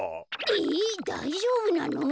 えっだいじょうぶなの？